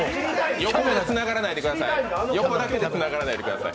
横だけでつながらないでください。